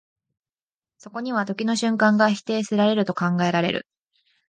そこには時の瞬間が否定せられると考えられる。